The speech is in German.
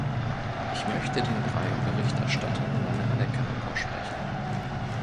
Ich möchte den drei Berichterstattern meine Anerkennung aussprechen.